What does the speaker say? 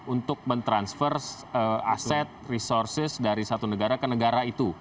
untuk mentransfer aset resources dari satu negara ke negara itu